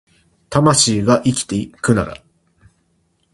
魂が生きてくなら